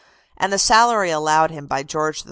And the salary allowed him by George III.